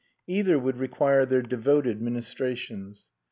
Either would require their devoted ministrations.